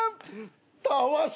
たわし。